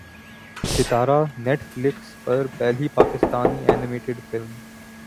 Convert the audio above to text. ستارہ Netflix پر پہلی پاکستانی اینیمیٹڈ فلم